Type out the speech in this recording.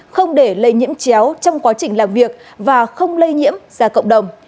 không để lây nhiễm chéo trong quá trình làm việc và không lây nhiễm ra cộng đồng